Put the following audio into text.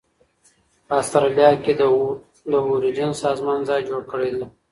په اسټرالیا کې د اوریجن سازمان ځای جوړ کړی دی.